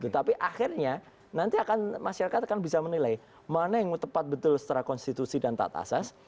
tapi akhirnya nanti akan masyarakat akan bisa menilai mana yang tepat betul setelah konstitusi dan taat asas